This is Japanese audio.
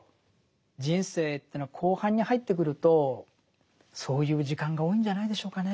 人生というのは後半に入ってくるとそういう時間が多いんじゃないでしょうかね。